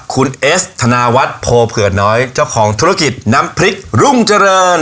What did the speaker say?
คุณเอสธนาวัฒน์โพเผือน้อยเจ้าของธุรกิจน้ำพริกรุ่งเจริญ